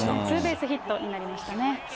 ツーベースヒットになりましたね。